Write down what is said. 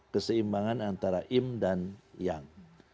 keseimbangan antara im dan yang